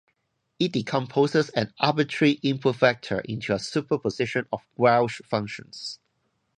It decomposes an arbitrary input vector into a superposition of Walsh functions.